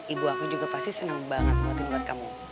ibu aku juga pasti senang banget buatin buat kamu